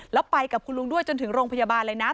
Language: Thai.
แล้วไปกับคุณลุงด้วยจนถึงโรงพยาบาลเลยนะ